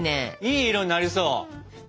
いい色になりそう。